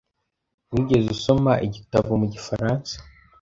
Wigeze usoma igitabo mu gifaransa?